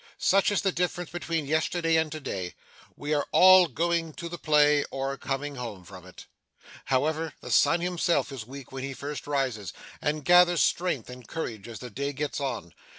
Such is the difference between yesterday and today. We are all going to the play, or coming home from it. However, the Sun himself is weak when he first rises, and gathers strength and courage as the day gets on.